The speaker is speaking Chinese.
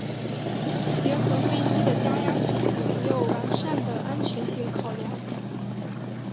协和飞机的加压系统也有完善的安全性考量。